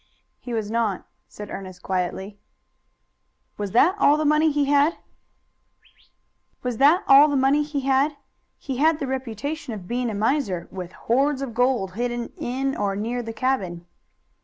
"He was not," said Ernest quietly. "Was that all the money he had? He had the reputation of being a miser, with hoards of gold hidden in or near the cabin."